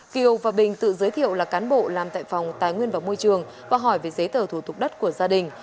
kiều và bình tự giới thiệu là cán bộ làm tại phòng tài nguyên và môi trường và hỏi về giấy tờ thủ tục đất của gia đình